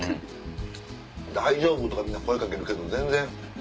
大丈夫？とかみんな声掛けるけど全然。